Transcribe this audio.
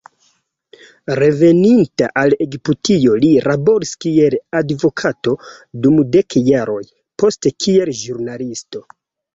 Reveninta al Egiptio, li laboris kiel advokato dum dek jaroj, poste kiel ĵurnalisto.